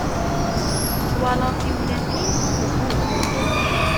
Twalaḍ tiwlafin, uhu?